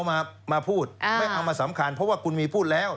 มาพูดไม่เอามาสำคัญเพราะว่าคุณมีพูดแล้ว